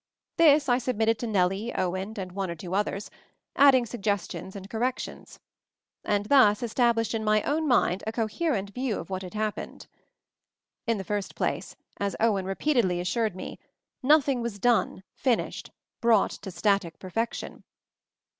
This I submitted to Nellie, Owen, and one or two others, adding suggestions and cor rections; and thus established in my own mind a coherent view of what had happened. In the first place, as Owen repeatedly as sured me, nothing was done — finished — brought to static perfection.